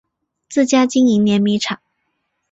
自家经营碾米厂